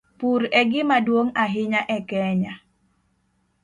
Pur e gima duong' ahinya e Kenya.